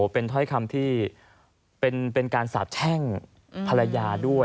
เป็นถ้อยคำที่เป็นการสาบแช่งภรรยาด้วย